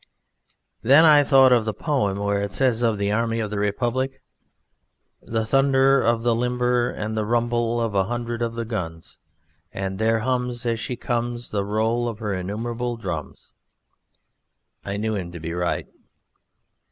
Then I thought of the poem where it says of the Army of the Republic: The thunder of the limber and the rumble of a hundred of the guns. And there hums as she comes the roll of her innumerable drums. I knew him to be right.